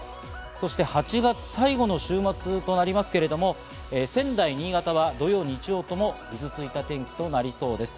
そして８月最後の週末となりますけれども、仙台、新潟は土曜・日曜ともぐずついた天気となりそうです。